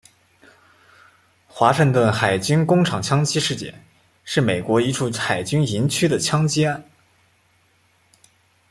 华盛顿海军工厂枪击事件是美国一处海军营区的枪击案。